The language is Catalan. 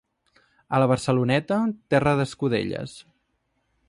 A la Barceloneta, terra d'escudelles.